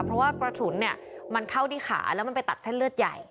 เพราะว่ากระสุนเนี่ยมันเข้าที่ขาแล้วมันไปตัดเส้นเลือดใหญ่